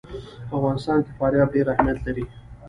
په افغانستان کې فاریاب ډېر اهمیت لري.